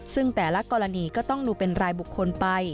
ซึ่งแต่ละกรณีก็ต้องดูเป็นรายบุคคลไป